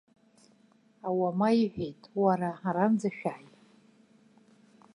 Ауама иҳәеит, уара, аранӡа шәааи!